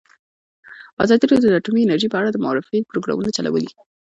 ازادي راډیو د اټومي انرژي په اړه د معارفې پروګرامونه چلولي.